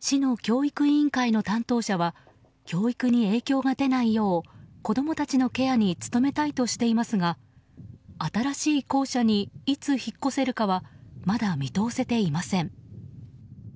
市の教育委員会の担当者は教育に影響が出ないよう子供たちのケアに努めたいとしていますが新しい校舎にいつ引っ越せるかはまだ見通せていません。